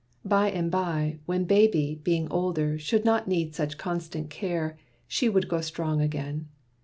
By and by, When baby, being older, should not need Such constant care, she would grow strong again.